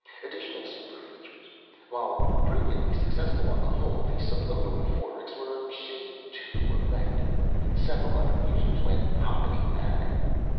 "Additional super features. While brilliantly successful on the whole, the subliminal euphorics were a shade too effective. Several hundred users went hoppity manic.